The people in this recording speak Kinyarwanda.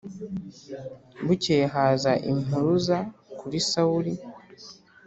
Bukeye haza impuruza kuri Sawuli